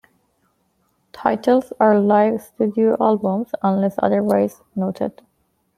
Titles are live studio albums unless otherwise noted.